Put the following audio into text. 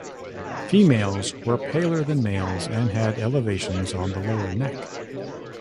Females were paler than males and had elevations on the lower neck.